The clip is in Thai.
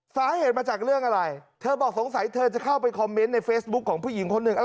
สาเหตุมาจากเรื่องอะไรเธอบอกสงสัยเธอจะเข้าไปคอมเมนต์ในเฟซบุ๊คของผู้หญิงคนหนึ่ง